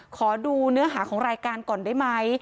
ขอดูเนื้อหาของรายการก่อนได้ไหม